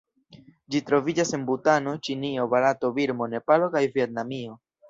Ĝi troviĝas en Butano, Ĉinio, Barato, Birmo, Nepalo kaj Vjetnamio.